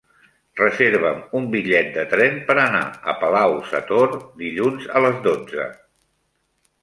Reserva'm un bitllet de tren per anar a Palau-sator dilluns a les dotze.